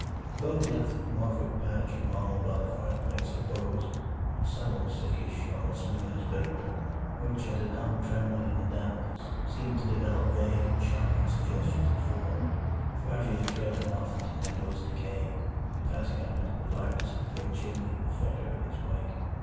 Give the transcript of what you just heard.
Above the anthropomorphic patch of mold by the fireplace it rose; a subtle, sickish, almost luminous vapor which as it hung trembling in the dampness seemed to develop vague and shocking suggestions of form, gradually trailing off into nebulous decay and passing up into the blackness of the great chimney with a fetor in its wake.